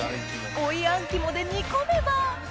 追いあん肝で煮込めば